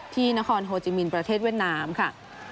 ที่นครโฮจิมินประเทศเวียดนามค่ะ